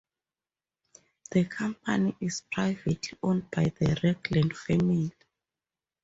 The company is privately owned by the Ragland family.